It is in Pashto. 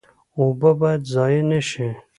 اوبه باید ضایع نشي